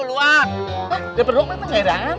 hah daperuk banget pak gairan